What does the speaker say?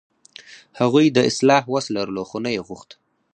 هغوی د اصلاح وس لرلو، خو نه یې غوښت.